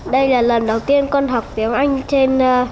đây là lần đầu tiên con học tiếng anh trên